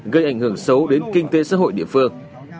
gây ảnh hưởng xấu đến kinh tế xã hội địa phương